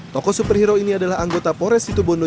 toko superhero ini adalah anggota pores situbondo